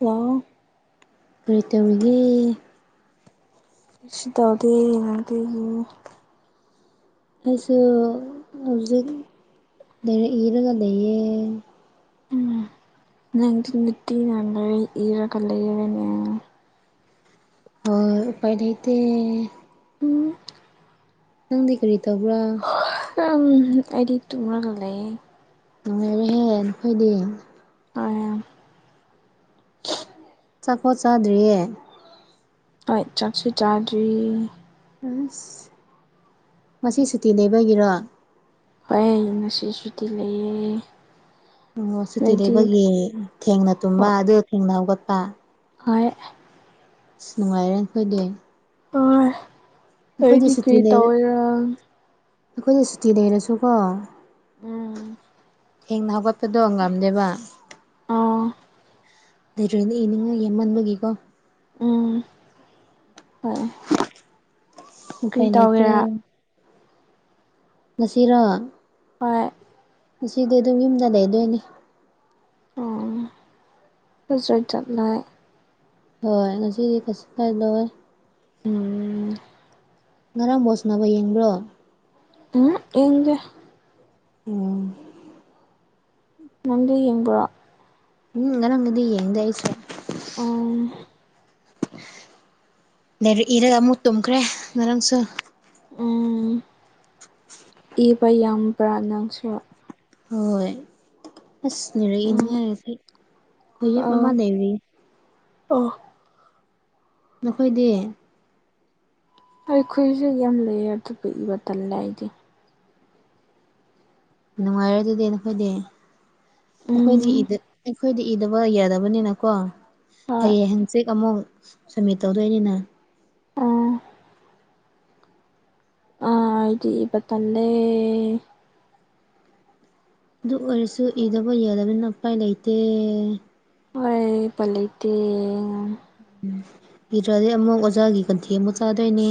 ꯋꯥꯎ ꯀꯔꯤ ꯇꯧꯔꯤꯒꯦ ꯀꯔꯤꯁꯨ ꯇꯧꯗꯦ ꯉꯍꯛ ꯂꯩꯌꯦ ꯑꯩꯁꯨ ꯍꯧꯖꯤꯛ ꯂꯥꯢꯔꯤꯛ ꯢꯔꯒ ꯂꯩꯌꯦ ꯎꯝ ꯅꯪꯗꯤ ꯅꯨꯡꯇꯤꯅ ꯂꯥꯢꯔꯤꯛ ꯏꯔꯒ ꯂꯩꯔꯅꯦ ꯍꯣꯢ ꯎꯄꯥꯏ ꯂꯩꯇꯦ ꯎꯝ ꯅꯪꯗꯤ ꯀꯔꯤ ꯇꯧꯕ꯭ꯔꯥ ꯑꯩꯗꯤ ꯇꯨꯝꯔꯒ ꯂꯩꯌꯦ ꯅꯨꯡꯉꯥꯏꯔꯦꯍꯦ ꯅꯈꯣꯏꯗꯤ ꯑꯥꯢꯑꯦꯝ ꯆꯥꯛꯐꯥꯎ ꯆꯥꯗ꯭ꯔꯤꯌꯦ ꯍꯣꯏ ꯆꯛꯁꯨ ꯆꯥꯗ꯭ꯔꯤ ꯑꯁ ꯉꯁꯤ ꯁꯨꯇꯤ ꯂꯩꯕꯒꯤꯔꯣ ꯍꯣꯏ ꯉꯁꯤꯁꯨꯨꯇꯤ ꯂꯩꯌꯦ ꯑꯣ ꯁꯨꯇꯤ ꯅꯣꯏꯗꯤ ꯂꯩꯕꯒꯤ ꯊꯦꯡꯅ ꯇꯨꯝꯕ ꯍꯣꯏ ꯑꯗꯨ ꯊꯦꯡꯅ ꯍꯧꯒꯠꯄ ꯍꯣꯏ ꯅꯨꯡꯉꯥꯏꯔꯦ ꯅꯣꯏꯗꯤ ꯍꯣꯏ ꯑꯩꯗꯤ ꯁꯨꯇꯤ ꯀꯩ ꯂꯩ ꯇꯧꯋꯤꯔꯥ ꯑꯩꯈꯣꯏꯗꯤ ꯁꯨꯇꯤ ꯂꯩꯔꯁꯨꯀꯣ ꯎꯝ ꯊꯦꯡꯅ ꯍꯧꯒꯠꯄꯗꯣ ꯉꯝꯗꯦꯕ ꯑꯥꯎ ꯂꯩꯔꯅꯤ ꯏꯅꯤꯡꯉꯥꯏ ꯌꯦꯃꯟꯕꯒꯤꯀꯣ ꯎꯝ ꯍꯣꯏ ꯀꯔꯤ ꯎꯄꯥꯢ ꯂꯩꯇꯦ ꯇꯧꯒꯦꯔꯥ ꯉꯁꯤꯔꯣ ꯍꯣꯏ ꯉꯁꯤꯗꯤ ꯑꯗꯨꯝ ꯌꯨꯝꯗ ꯂꯩꯗꯣꯏꯅꯤ ꯑꯣ ꯍꯣꯖꯠ ꯖꯠꯂꯥꯢ ꯍꯣꯏ ꯉꯁꯤꯗꯤ ꯐꯁ ꯆꯂꯣꯢ ꯎꯝ ꯉꯔꯥꯡ ꯕꯣꯜ ꯁꯅꯕ ꯌꯦꯡꯕ꯭ꯔꯣ ꯎꯝꯍꯝ ꯌꯦꯡꯗ‌ꯦ ꯎꯝ ꯅꯪꯗ ꯌꯦꯡꯕ꯭ꯔꯣ ꯎꯪ ꯉꯔꯥꯡꯒꯗꯤ ꯌꯦꯡꯗꯦ ꯑꯩꯁꯨ ꯑꯣ ꯂꯥꯏꯔꯤꯛ ꯏꯔꯒ ꯑꯃꯨꯛ ꯇꯨꯝꯈ꯭ꯔꯦ ꯉꯔꯪꯁꯨ ꯎꯝ ꯏꯕ ꯌꯥꯝꯕ꯭ꯔꯥ ꯅꯪꯁꯨ ꯍꯣꯏ ꯑꯁ ꯅꯤꯔꯛ ꯎꯝ ꯏꯅꯤꯡꯉꯥꯏ ꯑꯩ ꯍꯣꯏ ꯌꯥꯝ ꯑ ꯑꯃ ꯂꯩꯔꯤ ꯑꯣ ꯅꯈꯣꯏꯗꯤ ꯑꯩꯈꯣꯏꯁꯨ ꯌꯥꯝ ꯂꯩꯌꯦ ꯑꯗꯨꯕꯨꯨ ꯏꯕ ꯇꯜꯂꯦ ꯑꯩꯗꯤ ꯅꯨꯡꯉꯥꯏꯔꯦ ꯑꯗꯨꯗꯤ ꯅꯈꯣꯏꯗꯤ ꯑꯩꯈꯣꯏꯗꯤ ꯎꯝ ꯢꯗ ꯑꯩꯈꯣꯏꯗꯤ ꯏꯗꯕ ꯌꯥꯗꯕꯅꯤꯅꯀꯣ ꯍꯣꯏ ꯍꯌꯦꯡ ꯍꯪ ꯆꯤꯛ ꯑꯃꯨꯛ ꯁꯝꯃꯤꯠ ꯇꯧꯗꯣꯏꯅꯤꯅ ꯑꯥ ꯑꯥ ꯑꯩꯗꯤ ꯏꯕ ꯇꯟꯂꯦ ꯑꯗꯨ ꯑꯣꯏꯔꯁꯨ ꯏꯗꯕ ꯌꯥꯗꯕꯅꯤꯅ ꯎꯄꯥꯏ ꯂꯩꯇꯦ ꯍꯣꯏ ꯄꯂꯇꯦ ꯎꯝ ꯏꯗ꯭ꯔꯗꯤ ꯑꯃꯨꯛ ꯑꯣꯖꯥꯒꯤ ꯀꯟꯊꯤ ꯑꯃꯨꯛ ꯆꯥꯗꯣꯏꯅꯦ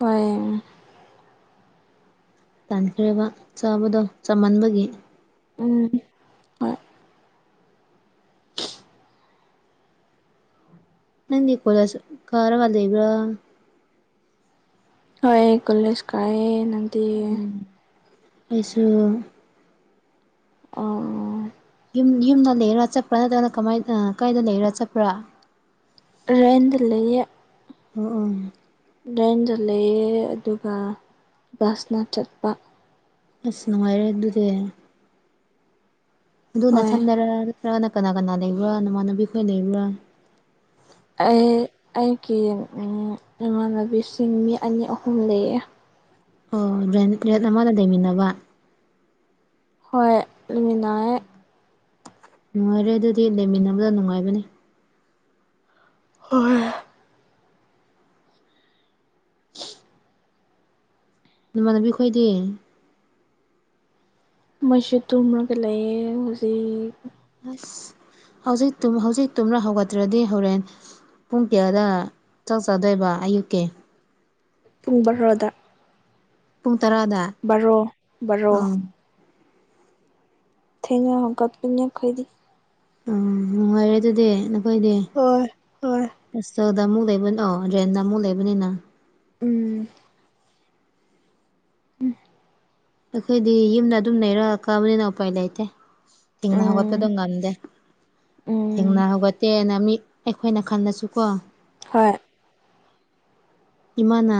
ꯍ‌ꯣꯏ ꯎꯝ ꯇꯥꯟꯈ꯭ꯔꯦꯕ ꯆꯥꯕꯗꯣ ꯆꯃꯟꯕꯒꯤ ꯎꯝ ꯍꯣꯏ ꯅꯪꯗꯤ ꯀꯣꯏꯂꯁ ꯀꯥꯔꯒ ꯂꯩꯕ꯭ꯔ ꯍ‌ꯣꯏ ꯀꯣꯂꯦꯁ ꯀꯥꯏꯑꯦ ꯅꯪ ꯎꯝ ꯑꯩꯁꯨ ꯑ‌ꯣ ꯌꯨꯝ ꯌꯨꯝꯗ ꯂꯩꯔꯥ ꯆꯠꯄ꯭ꯔꯥ ꯅꯠꯇ꯭ꯔꯒꯅ ꯀꯃꯥꯏꯅ ꯀꯥꯏꯗ ꯂꯩꯔꯥ ꯆꯠꯄ꯭ꯔꯥ ꯔꯦꯟꯗ ꯂꯩꯌ‌ꯦ ꯑꯣꯝ ꯎꯝ ꯔꯦꯟꯗ ꯂꯩꯑꯦ ꯑꯗꯨꯒ ꯕꯁꯅ ꯆꯠꯄ ꯑꯁ ꯅꯨꯡꯉꯥꯏꯔꯦ ꯑꯗꯨꯗꯤ ꯑꯗꯨ ꯍꯣꯏ ꯅꯥꯊꯟꯗꯔ ꯅꯠꯇ꯭ꯔꯒꯅ ꯀꯅꯥ ꯀꯅꯥ ꯂꯩꯕ꯭ꯔꯥ ꯅꯃꯥꯟꯅꯕꯤ ꯈꯣꯏ ꯂꯩꯕ꯭ꯔꯥ ꯑꯩ ꯑꯩꯒꯤ ꯏꯃꯥꯟꯅꯕꯤꯁꯤꯡ ꯃꯤ ꯑꯅꯤ ꯑꯍꯨꯝ ꯂꯩꯌꯦ ꯑꯣ ꯔ‌ꯦꯟ ꯔ‌ꯦꯟ ꯑꯃꯗ ꯂꯩꯃꯤꯟꯅꯕ ꯍꯣꯏ ꯂꯩꯃꯤꯟꯅꯥ ꯅꯨꯡꯉꯥꯏꯔꯦ ꯑꯗꯨꯗꯤ ꯂꯩꯃꯤꯟꯅꯕꯗ ꯅꯨꯡꯉꯥꯏꯕꯅꯤ ꯍ‌ꯣꯏ ꯅꯃꯥꯟꯅꯕꯤ ꯈꯣꯏꯗꯤ ꯃ‌ꯣꯏꯁꯨ ꯇꯨꯝꯔꯒ ꯂꯩꯌꯦ ꯍꯧꯖꯤꯛ ꯑꯁ ꯍꯧꯖꯤꯛ ꯇꯨꯝ ꯍꯧꯖꯤꯛ ꯇꯨꯝꯔ ꯍꯧꯒꯠꯇ꯭ꯔꯗꯤ ꯍꯧꯔꯦꯟ ꯄꯨꯡ ꯀꯌꯥꯗ ꯆꯥꯛ ꯆꯥꯗꯣꯏꯕ ꯑꯌꯨꯛꯀꯤ ꯄꯨꯡ ꯕꯥꯔꯣꯗ ꯄꯨꯡ ꯇꯔꯥꯗ ꯕꯥꯔꯣ ꯕꯥꯔꯣ ꯑꯥ ꯊꯦꯡꯅ ꯍꯧꯒꯠꯄꯅ‌ꯦ ꯑꯈꯣꯏꯗꯤ ꯑ ꯅꯨꯡꯉꯥꯏꯔꯦ ꯑꯗꯨꯗꯤ ꯅꯈ‌ꯣꯏꯗꯤ ꯍꯣꯏ ꯍꯣꯏ ꯍ‌ꯣꯁꯇ‌ꯦꯜꯗ ꯑꯃꯨꯛ ꯂꯩꯕꯅꯤ ꯑ ꯔꯦꯟꯗ ꯑꯃꯨꯛ ꯂꯩꯕꯅꯤꯅ ꯎꯝ ꯑꯩꯈꯣꯏꯗꯤ ꯌꯨꯝꯗ ꯑꯗꯨꯝ ꯂꯩꯔ ꯀꯥꯕꯅꯤꯅ ꯎꯄꯥꯏ ꯂꯩꯇꯦ ꯇꯤꯡꯅ ꯍꯧꯒꯠꯄꯗ‌ꯣ ꯎꯝ ꯉꯝꯗꯦ ꯎꯝ ꯊꯦꯡꯅ ꯍꯧꯒꯠꯇꯦꯅ ꯃꯤ ꯑꯩꯈꯣꯏꯅ ꯈꯜꯂꯁꯨꯀꯣ ꯍꯣꯏ ꯏꯃꯥꯅ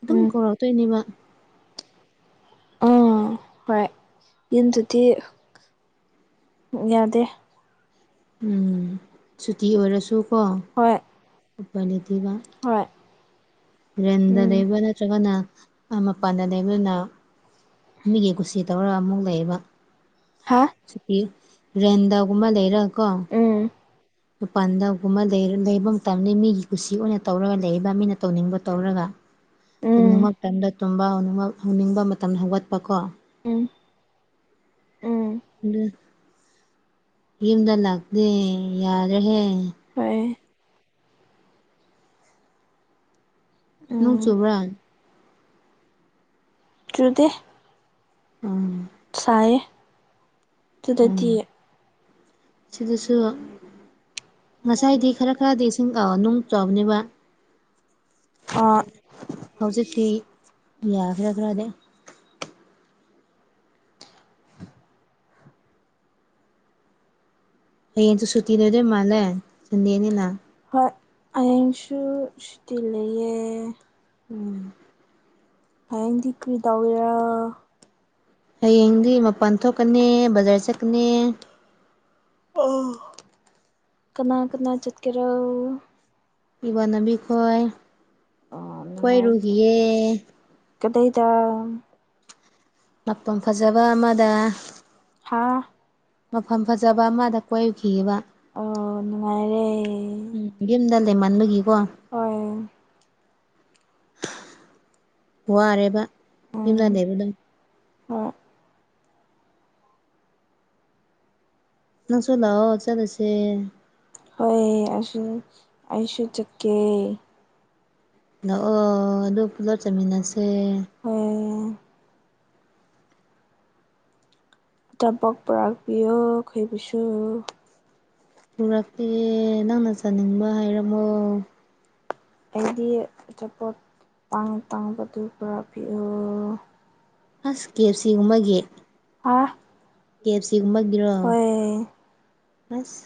ꯑꯗꯨꯝ ꯎꯝ ꯀꯧꯔꯛꯇꯣꯏꯅꯦꯕ ꯑ ꯍꯣꯏ ꯌꯨꯝꯗꯗꯤ ꯌꯥꯗꯦ ꯎꯝ ꯁꯨꯇꯤ ꯑꯣꯏꯔꯁꯨ ꯀꯣ ꯍꯣꯏ ꯎꯄꯥꯏ ꯂꯩꯇꯦꯕ ꯍꯣꯏ ꯭ꯔꯟꯗ ꯎꯝ ꯂꯩꯕ ꯅꯠꯇ꯭ꯔꯒꯅ ꯑꯥ ꯃꯄꯥꯟꯗ ꯂꯩꯕꯔꯅꯪ ꯃꯤꯒꯤ ꯀꯨꯁꯤ ꯇꯧꯔꯒ ꯑꯃꯨꯛ ꯂꯩꯌꯦꯕ ꯍꯥ ꯁꯨꯇꯤ ꯔꯦꯟꯗꯒꯨꯝꯕ ꯂꯩꯔ ꯀꯣ ꯎꯝ ꯃꯄꯥꯟꯗꯒꯨꯝꯕ ꯂꯩꯕ ꯃꯇꯝꯗ ꯃꯤꯒꯤ ꯀꯨꯁꯤ ꯑꯣꯏꯅ ꯇꯧꯔꯒ ꯂꯩꯕ ꯃꯤꯅ ꯇꯧꯅꯤꯡꯕ ꯇꯧꯔꯒ ꯇꯨꯝꯅꯤꯡꯕ ꯎꯝ ꯃꯇꯝꯗ ꯇꯨꯝꯕ ꯍꯧꯅꯤꯡꯕ ꯍꯧꯅꯤꯡꯕ ꯃꯇꯝꯗ ꯍꯧꯒꯠꯄ ꯀꯣ ꯎꯝ ꯎꯝ ꯎꯝ ꯌꯨꯝꯗ ꯂꯥꯛꯇꯦ ꯌꯥꯔ‌ꯦꯍꯦ ꯐꯩ ꯅ‌ꯣꯡ ꯎꯝ ꯆꯨꯕ꯭ꯔꯥ ꯆꯨꯗꯦ ꯎꯝ ꯇꯥꯌꯦ ꯎꯝ ꯁꯤꯗꯁꯨ ꯉꯁꯥꯏꯗꯤ ꯈꯔ ꯈꯔꯗꯤ ꯏꯁꯤꯡ ꯅꯣꯡ ꯆꯨꯕꯅꯦꯕ ꯑꯥ ꯍꯧꯖꯤꯛꯇꯤ ꯌꯥꯈ꯭ꯔ ꯈ꯭ꯔꯗꯤ ꯍꯌꯦꯡꯁꯨ ꯁꯨꯇꯤ ꯂꯣꯏꯗꯣꯏ ꯃꯥꯜꯂꯦ ꯁꯟꯗꯦꯅꯤꯅ ꯍꯣꯏ ꯍꯌꯦꯡꯁꯨ ꯁꯨꯇꯤ ꯂꯩꯌꯦ ꯎꯝ ꯍꯌꯦꯡꯗꯤ ꯀ꯭ꯔꯤ ꯇꯧꯒꯦꯔ ꯍꯌꯦꯡꯗꯤ ꯃꯄꯥꯟ ꯊꯣꯛꯀꯅꯤ ꯕꯖꯥꯔ ꯆꯠꯀꯅꯤ ꯑꯣ ꯀꯅꯥ ꯀꯅꯥ ꯆꯠꯀꯦꯔꯣ ꯏꯃꯥꯟꯅꯕꯤ ꯈꯣꯏ ꯑꯥ ꯅꯨꯡꯉꯥꯏ ꯀꯣꯏꯔꯨꯈꯤꯒꯦ ꯀꯗꯥꯏꯗ ꯃꯐꯝ ꯐꯖꯕ ꯑꯃꯗ ꯍꯥꯥ ꯃꯐꯝ ꯐꯖꯕ ꯑꯃꯗ ꯀꯣꯏꯔꯨꯈꯤꯒꯦꯕ ꯑꯣ ꯅꯨꯡꯉꯥꯏꯔꯦ ꯎꯝ ꯌꯨꯝꯗ ꯂꯩꯃꯟꯕꯒꯤꯀꯣ ꯍꯣꯏ ꯋꯥꯔꯦꯕ ꯌꯨꯝꯗ ꯎꯝ ꯂꯩꯕꯗꯣ ꯍꯣꯏ ꯅꯪꯁꯨꯂꯥꯛꯑꯣ ꯆꯠꯂꯁꯦ ꯍꯣꯏ ꯑꯩꯁꯨ ꯑꯩꯁꯨ ꯆꯠꯀꯦ ꯂꯥꯛꯑꯣ ꯑꯗꯨꯒ ꯄꯨꯂꯞ ꯆꯠꯃꯤꯟꯅꯁꯦ ꯑꯣ ꯑꯆꯥꯄꯣꯠ ꯄꯨꯔꯥꯛꯄꯤꯌꯣ ꯑꯩꯈꯣꯏꯕꯨꯁꯨ ꯄꯨꯔꯛꯀꯦ ꯅꯪꯅ ꯆꯥꯅꯤꯡꯕ ꯍꯥꯏꯔꯝꯃꯣ ꯑꯩꯗꯤ ꯑꯆꯥꯄꯣꯠ ꯇꯥꯡ ꯇꯥꯡꯕꯗꯨ ꯄꯨꯔꯛ ꯄꯤꯑꯣ ꯑꯁ ꯀꯦ ꯑꯦꯞ ꯁꯤꯒꯨꯝꯕꯒꯤ ꯍꯥꯥ ꯀꯦ ꯑꯦꯐ ꯁꯤꯒꯨꯝꯕꯒꯤꯔꯣ ꯑꯁ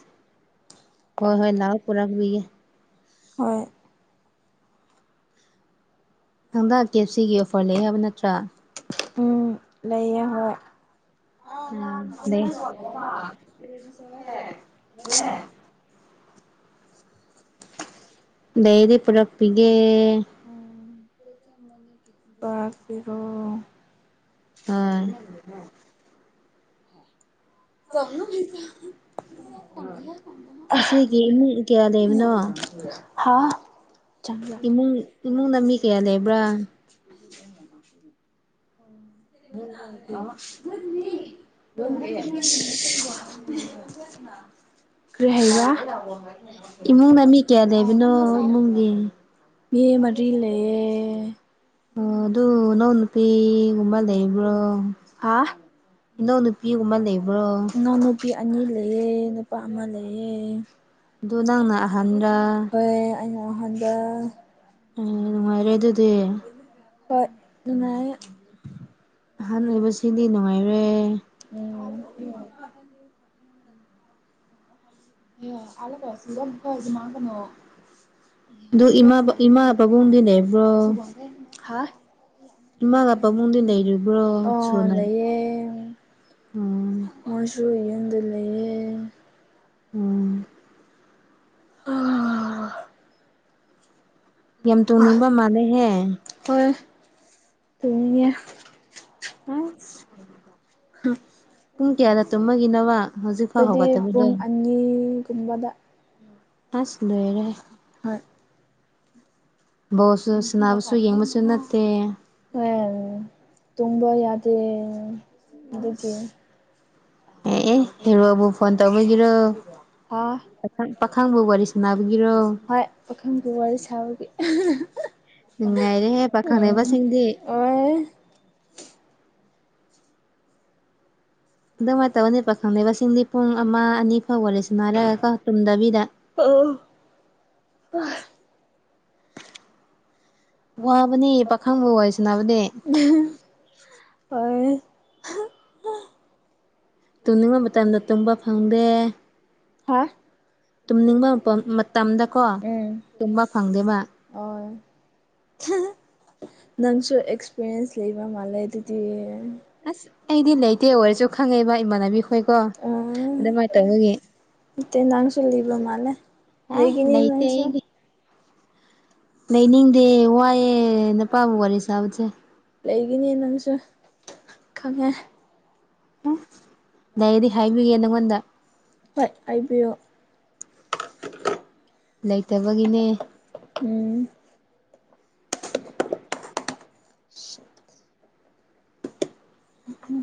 ꯍꯣꯏ ꯍꯣꯏ ꯂꯥꯎ ꯄꯨꯔꯄꯤꯒꯦ ꯍꯣꯏ [unintelligible] ꯀꯦ ꯑꯦꯐ ꯁꯤꯒꯤ ꯑꯣꯐꯔ ꯂꯩ ꯍꯥꯏꯕ ꯅꯠꯇ꯭ꯔꯥ? ꯎꯝ ꯂꯩꯌꯦ ꯍꯣꯏ꯫ ꯂꯩ [unintelligible] ꯂꯩꯔꯗꯤ ꯄꯨꯔꯛꯄꯤꯒꯦ꯫ [unintelligible] ꯍꯣꯏ [unintelligible] [unintelligible] ꯏꯆꯦꯒꯤ ꯏꯃꯨꯡ ꯀꯌꯥ ꯂꯩꯕꯅꯣ? ꯍꯥꯥ ꯏꯃꯨꯡ ꯏꯃꯨꯡꯗ ꯃꯤ ꯀꯌꯥ ꯂꯩꯕ꯭ꯔꯥ [unintelligible] ꯝꯒꯦ [unintelligible] [inaudible] ꯀꯔꯤ ꯍꯥꯏꯕ꯭ꯔꯥ ꯏꯃꯨꯡꯗ ꯃꯤ ꯀꯌꯥ ꯂꯩꯕꯅꯣ ꯏꯃꯨꯡꯒꯤ ꯃꯤ ꯃꯥꯔꯤ ꯂꯩꯌꯦ ꯑꯣ ꯑꯗꯨ ꯅꯥꯎ ꯅꯨꯄꯤ ꯒꯨꯕ ꯂꯩꯕ꯭ꯔꯣ ꯍꯥꯥ ꯏꯅꯥꯎ ꯅꯨꯄꯤꯒꯨꯝꯕ ꯂꯩꯕ꯭ꯔꯣ? ꯏꯅꯥꯎ ꯅꯨꯄꯤ ꯑꯅꯤ ꯂꯩꯌꯦ ꯅꯨꯄꯥ ꯑꯃ ꯂꯩꯌꯦ꯫ ꯑꯗꯨ ꯅꯪꯅ ꯑꯍꯟꯔꯥ? ꯍꯣꯏ ꯑꯩꯅ ꯑꯍꯥꯟꯕ ꯑ ꯅꯨꯡꯉꯥꯏꯔꯦ ꯑꯗꯨꯗꯤ ꯍꯣꯏ ꯅꯨꯡꯉꯥꯏꯌꯦ ꯑꯍꯟ ꯑꯣꯏꯕꯁꯤꯗꯤ ꯅꯨꯡꯉꯥꯏꯔꯦ꯫ ꯎꯝ [unintelligible] ꯑꯗꯨ ꯏꯃꯥ ꯏꯃꯥ ꯄꯥꯕꯨꯡꯗꯤ ꯂꯩꯕ꯭ꯔꯣ? ꯍꯥ ꯏꯃꯥꯒ ꯄꯕꯨꯡꯗꯤ ꯂꯩꯔꯤꯕ꯭ꯔꯣ ꯑꯣ ꯁꯨꯅ? ꯂꯩꯌꯦ ꯎꯝ ꯃꯣꯏꯁꯨ ꯌꯨꯝꯗ ꯂꯩꯌꯦ꯫ ꯎꯝ [unintelligible] ꯌꯥꯝ ꯇꯨꯝꯅꯤꯡꯕ ꯃꯥꯜꯂꯦꯍꯦ ꯍꯣꯏ [unintelligible] [unintelligible] [unintelligible] ꯄꯨꯡ ꯀꯌꯥꯗ ꯇꯨꯝꯃꯒꯤꯅꯣ ꯃꯥ ꯑꯩꯈꯣꯏꯗꯤ ꯄꯨꯡ ꯑꯅꯤꯒꯨꯝꯕꯗ ꯑꯁ ꯂꯣꯏꯔꯦꯍꯦ ꯍꯣꯏ ꯕꯣꯜꯁꯨ ꯁꯥꯟꯅꯕꯁꯨ ꯌꯦꯡꯕꯁꯨ ꯅꯠꯇꯦ [unintelligible] ꯇꯨꯝꯕ ꯌꯥꯗꯦ ꯑꯗꯨꯒꯤ ꯑꯦ ꯑꯦ ꯍꯦꯔꯣꯕꯨ ꯐꯣꯟ ꯇꯧꯕꯒꯤꯔꯣ? ꯍꯥꯥ ꯄꯥꯈꯪꯕꯨ ꯋꯥꯔꯤ ꯁꯥꯟꯅꯕꯒꯤꯔꯣ? ꯍꯣꯏ ꯄꯥꯈꯪꯒꯤ ꯋꯥꯔꯤ ꯁꯥꯕꯒꯤ ꯅꯨꯡꯉꯥꯏꯔꯦꯍꯦ ꯄꯥꯈꯪ ꯎꯝ ꯂꯩꯕꯁꯤꯡꯗꯤ ꯑꯣꯏ ꯑꯗꯨꯃꯥꯏꯅ ꯇꯧꯕꯅꯤ ꯄꯥꯈꯪ ꯂꯩꯕꯁꯤꯡꯗꯤ ꯄꯨꯡ ꯑꯃ ꯑꯅꯤ ꯐꯥꯎ ꯋꯥꯔꯤ ꯁꯥꯟꯅꯔꯒ ꯀꯣ ꯇꯨꯝꯗꯕꯤꯗ [unintelligible] ꯋꯥꯕꯅꯦ ꯄꯥꯈꯪꯕꯨ ꯋꯥꯔꯤ ꯁꯥꯅꯕꯗꯤ [unintelligible] ꯍꯣꯏ [unintelligible] ꯇꯨꯝꯅꯤꯡꯕ ꯃꯇꯝꯗ ꯇꯨꯝꯕ ꯐꯪꯗꯦ ꯍꯥ ꯇꯨꯝꯅꯤꯡꯕ ꯃꯄꯝ ꯃꯇꯝꯗꯀꯣ ꯎꯝ ꯇꯨꯝꯕ ꯐꯪꯗꯦꯕ ꯑꯣꯏ ꯅꯪꯁꯨ ꯑꯦꯛꯁꯄꯤꯔꯤꯌꯦꯟꯁ ꯂꯩꯕ ꯃꯥꯜꯂꯦ ꯑꯗꯨꯗꯤ ꯑꯁ ꯑꯩꯗꯤ ꯂꯩꯇꯦ ꯑꯣꯏꯔꯁꯨ ꯈꯪꯉꯦꯕ ꯏꯃꯥꯟꯅꯕꯤ ꯈꯣꯏꯀꯣ ꯑꯗꯨꯃꯥꯏꯅ ꯇꯧꯕꯒꯤ ꯇ‌ꯦ ꯅꯪꯁꯨ ꯂꯩꯕ ꯃꯥꯟꯂ‌ꯦ ꯑꯦ ꯂꯩꯒꯅꯤ ꯂꯩꯇꯦ ꯅꯪꯁꯨ ꯑꯩꯗꯤ ꯂꯩꯅꯤꯡꯗꯦ ꯋꯥꯏꯌꯦ ꯅꯨꯄꯥꯕꯨ ꯋꯥꯔꯤ ꯁꯥꯕꯁꯦ ꯂꯩꯒꯤꯅꯤ ꯅꯪꯁꯨ ꯈꯪꯉꯦ ꯂꯩꯔꯗꯤ ꯍꯥꯏꯕꯤꯒꯦ ꯅꯪꯉꯣꯟꯗ ꯍꯣꯏ ꯍꯥꯏꯕꯤꯌꯣ ꯂꯩꯇꯕꯒꯤꯅꯦ ꯎꯝ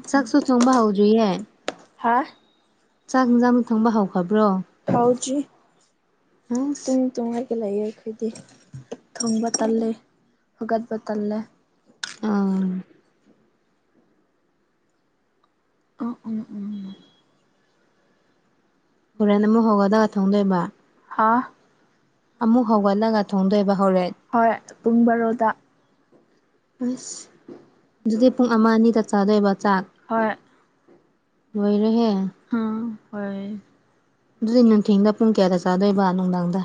ꯆꯥꯛꯁꯨ ꯊꯣꯡꯕ ꯍꯧꯗꯔꯤꯌꯦ ꯍꯥ ꯆꯥꯛ ꯑꯦꯟꯖꯥꯡ ꯊꯣꯡꯕ ꯍꯧꯈꯕ꯭ꯔꯣ? ꯍꯧꯗ꯭ꯔꯤ ꯇꯨꯝ ꯇꯨꯝꯃꯥꯒ ꯂꯩꯌ‌ꯦ ꯑꯩꯈꯣꯏꯗꯤ ꯊꯣꯡꯕ ꯇꯜꯂꯤ ꯍꯧꯒꯠꯄ ꯇꯜꯂꯦ ꯑꯥ ꯑꯥ ꯎꯝ ꯎꯝ ꯍꯣꯔꯦꯟ ꯑꯃꯨꯛ ꯍꯧꯒꯠꯂꯒꯥ ꯊꯣꯡꯗꯣꯏꯕ ꯍꯥꯥ ꯑꯃꯨꯛ ꯍꯧꯒꯠꯂꯒ ꯊꯣꯡꯗꯣꯏꯕ ꯍꯧꯔꯦꯟ ꯍꯣꯏ ꯄꯨꯡ ꯕꯥꯔꯣꯗ ꯑꯁ ꯑꯗꯨꯗꯤ ꯄꯨꯡ ꯑꯃ ꯑꯅꯤꯗ ꯆꯥꯗꯣꯏꯕ ꯆꯥꯛ ꯍꯣꯏ ꯂꯣꯏꯔꯦꯍꯦ ꯍꯥ ꯍꯣꯏ ꯑꯗꯨꯗꯤ ꯅꯨꯡꯊꯤꯟꯗ ꯄꯨꯡ ꯀꯌꯥꯗ ꯆꯥꯗꯣꯏꯕ ꯅꯨꯡꯗꯥꯡꯗ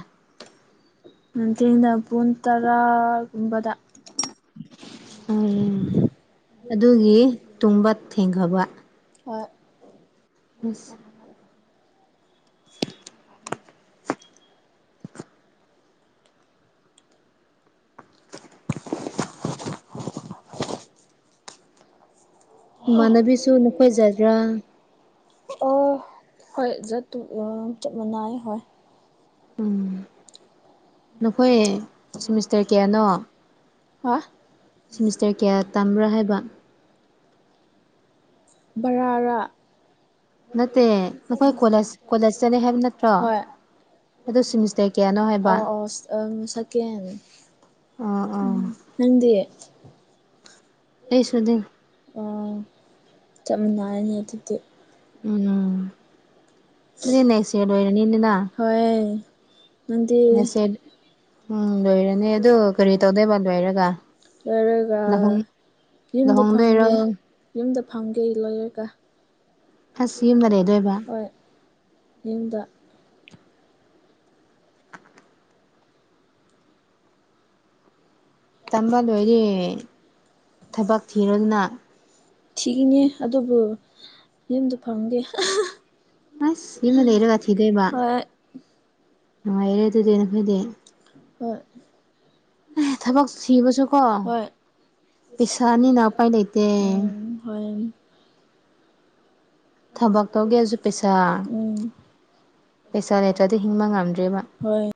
ꯅꯨꯡꯊꯤꯜꯗ ꯄꯨꯡ ꯇꯔꯥꯒꯨꯝꯕꯗ ꯎꯝ ꯑꯗꯨꯒꯤ ꯇꯨꯝꯕ ꯊꯦꯡꯈꯔꯕ ꯍꯣꯏ ꯑꯁ [unintelligible] ꯏꯃꯥꯟꯅꯕꯤꯁꯨ ꯅꯈꯣꯏꯖꯗ꯭ꯔꯥ ꯑꯣ ꯍꯣꯏ ꯖꯠꯇꯨꯑꯥ ꯆꯞ ꯃꯅꯥꯏ ꯍꯣꯏ ꯎꯝ ꯅꯈꯣꯏ ꯁꯤꯃꯤꯁꯇꯔ ꯀꯌꯥꯅꯣ ꯍꯥ ꯁꯤꯃꯤꯁꯇꯔ ꯀꯌꯥ ꯇꯝꯕ꯭ꯔꯥ ꯍꯥꯏꯕ ꯕꯔꯥꯔꯥ ꯅꯠꯇꯦ ꯅꯈꯣꯏ ꯀꯣꯂꯦꯖ ꯀꯣꯂꯦꯖ ꯆꯠꯂꯦ ꯍꯥꯏꯕ ꯅꯠꯇ꯭ꯔꯣ ꯍꯣꯏ ꯑꯗꯣ ꯁꯤꯃꯤꯁꯇꯔ ꯀꯌꯥꯅꯣ ꯍꯥꯏꯕ ꯑꯝ ꯁꯀꯦꯟ ꯑꯥ ꯎꯝ ꯑꯥ ꯅꯪꯗꯤ ꯑꯩꯁꯨꯗꯤ ꯑ‌ꯣ ꯆꯞ ꯃꯥꯟꯅꯔꯅꯤ ꯑꯗꯨꯗꯤ ꯎꯝ ꯑꯗꯨꯗꯤ ꯅꯦꯛꯁ ꯏꯌꯥꯔ ꯂꯣꯏꯔꯅꯤꯅ‌ꯦ ꯅꯥ ꯍꯣꯏꯌꯦ ꯅ‌ꯦꯁꯌꯥꯔ ꯎꯝ ꯂꯣꯏꯔ ꯅꯦ ꯑꯗꯨ ꯀꯔꯤ ꯇꯧꯗꯣꯏꯕ ꯂꯣꯏꯔꯒ ꯂꯣꯏꯔꯒ ꯂꯥꯍꯨꯝ ꯌꯨꯝꯗ ꯐꯝꯉꯦ ꯌꯨꯝꯗ ꯐꯝꯒꯦ ꯂꯣꯏꯔꯒ ꯑꯁ ꯌꯨꯝꯗ ꯂꯩꯗꯣꯏꯕ ꯍꯣꯏ ꯌꯨꯝꯗ [unintelligible] [inaudible] ꯇꯝꯕ ꯂꯣꯏꯔꯦ ꯊꯕꯛ ꯊꯤꯔꯣꯗꯅ ꯊꯤꯈꯤꯅꯦ ꯑꯗꯨꯕꯨ ꯌꯨꯝꯗ ꯐꯪꯗꯦ ꯑꯁ ꯌꯨꯝꯗ ꯂꯩꯔꯒ ꯊꯤꯗꯣꯏꯕ ꯍꯣꯏ ꯅꯨꯡꯉꯥꯏꯔꯦ ꯑꯗꯨꯗ ꯅꯈꯣꯏꯗꯤ ꯍꯣꯏ ꯑꯦ ꯊꯕꯛ ꯊꯤꯕꯁꯨꯀꯣ ꯍꯣꯏ ꯄꯩꯁꯥꯅꯤꯅ ꯎꯄꯥꯏ ꯂꯩꯇꯦ ꯎꯝ ꯍꯣꯏ ꯊꯕꯛ ꯇꯧꯒꯦꯁꯨ ꯄꯩꯁꯥ ꯎꯝ ꯄꯩꯁꯥ ꯂꯩꯇ꯭ꯔꯗꯤ ꯍꯤꯡꯕ ꯉꯝꯗ꯭ꯔꯦꯕ ꯍꯣꯏ